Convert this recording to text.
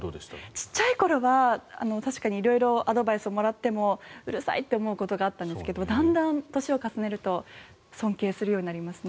小さい頃は色々アドバイスをもらってもうるさいって思うことがあったんですけどだんだん、年を重ねると尊敬するようになりますね。